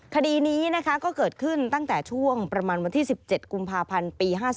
คดีนี้ก็เกิดขึ้นตั้งแต่ช่วงประมาณวันที่๑๗กุมภาพันธ์ปี๕๔